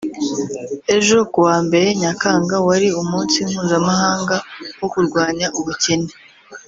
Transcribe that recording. Ejo ku wa mbere Nyakanga wari umunsi mpuzamahanga wo kurwanya ubukene